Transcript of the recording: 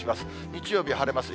日曜日晴れます。